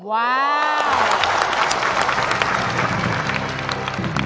ว้าว